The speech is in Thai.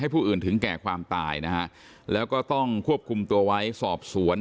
ผู้อื่นถึงแก่ความตายนะฮะแล้วก็ต้องควบคุมตัวไว้สอบสวน